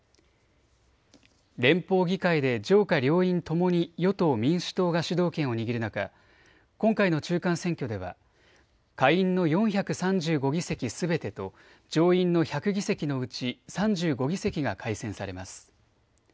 連邦議会で上下両院ともに与党・民主党が主導権を握る中、今回の中間選挙では下院の４３５議席すべてと上院の１００議席のうち３５議席が改選されます。